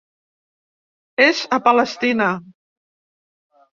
És a Palestina.